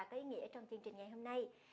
có ý nghĩa trong chương trình ngày hôm nay